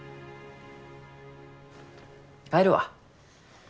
帰るわ。